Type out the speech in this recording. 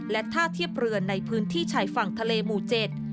และท่าเทียบเรือในพื้นที่ชายฝั่งทะเลหมู่เจ็ด